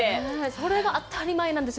それが当たり前なんですよ。